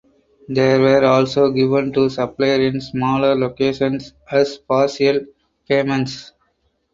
They were also given to suppliers in smaller locations as partial payments.